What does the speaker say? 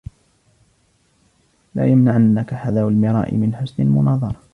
لَا يَمْنَعَنَّكَ حَذَرُ الْمِرَاءِ مِنْ حُسْنِ الْمُنَاظَرَةِ